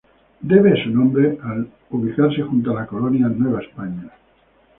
Debe su nombre al ubicarse junto a la colonia Nueva España.